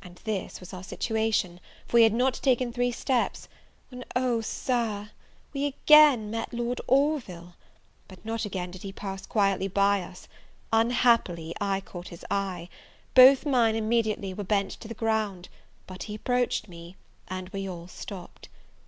And this was our situation, for we had not taken three steps, when, O sir, we again met Lord Orville! but not again did he pass quietly by us: unhappily I caught his eye; both mine immediately were bent to the ground; but he approached me, and we all stopped.